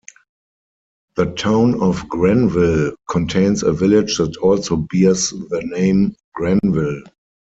The town of Granville contains a village that also bears the name Granville.